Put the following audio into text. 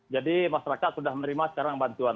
jadi masyarakat sudah menerima sekarang bantuan